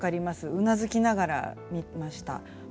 うなずきながら見ました。